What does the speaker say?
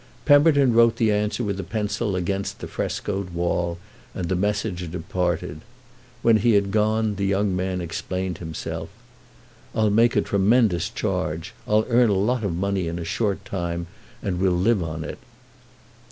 Pemberton wrote the answer with a pencil against the frescoed wall, and the messenger departed. When he had gone the young man explained himself. "I'll make a tremendous charge; I'll earn a lot of money in a short time, and we'll live on it."